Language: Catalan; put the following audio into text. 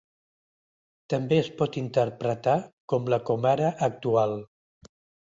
També es pot interpretar com la comare actual.